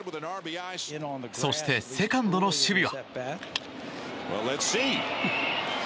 そして、セカンドの守備は？